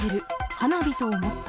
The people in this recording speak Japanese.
花火と思った。